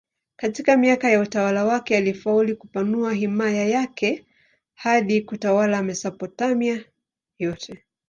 Katika miaka ya utawala wake alifaulu kupanua himaya yake hadi kutawala Mesopotamia yote.